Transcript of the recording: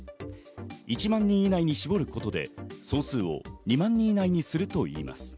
１万人以内に絞ることで総数を２万人以内にするといいます。